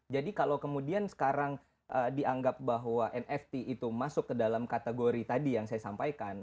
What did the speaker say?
jadi kalau kemudian sekarang dianggap bahwa nft itu masuk ke dalam kategori tadi yang saya sampaikan